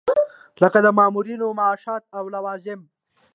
لکه د مامورینو معاشات او لوازم.